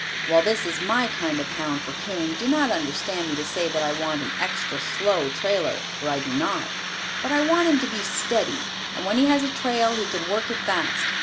While this is my kind of hound for coon, do not understand me to say that I want an extra slow trailer, for I do not, but I want him to be steady, and when he has a trail he can work it fast.